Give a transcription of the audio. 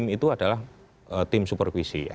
itu adalah tim supervisi ya